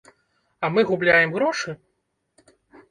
А мы губляем грошы?